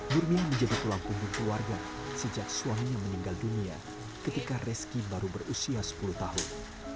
nurmiah menjadi pelangkung keluarga sejak suaminya meninggal dunia ketika reski baru berusia sepuluh tahun